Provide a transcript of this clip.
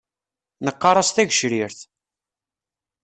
Neqqar-as tagecrirt.